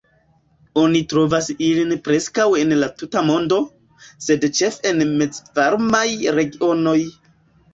Oni trovas ilin preskaŭ en la tuta mondo, sed ĉefe en mezvarmaj regionoj.